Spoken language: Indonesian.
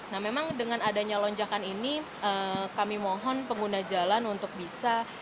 nah memang dengan adanya lonjakan ini kami mohon pengguna jalan untuk bisa